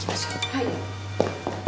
はい。